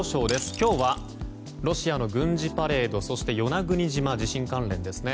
今日はロシアの軍事パレードそして与那国島地震関連ですね。